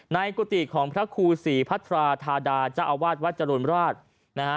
กุฏิของพระครูศรีพัทราธาดาเจ้าอาวาสวัดจรุณราชนะฮะ